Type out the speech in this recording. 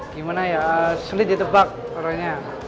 gimana ya sulit ditebak orangnya